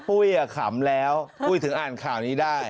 ปุ้ยขำแล้วปุ้ยถึงอ่านข่าวนี้ได้